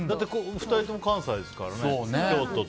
２人とも関西ですからね。